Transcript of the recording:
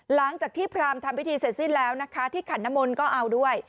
หลังจากที่พราหมณ์ทำพิธีเสร็จแล้วที่ขณะโมนก็เอาด้วย